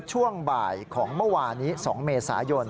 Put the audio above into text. ช่วงบ่ายของเมื่อวานนี้๒เมษายน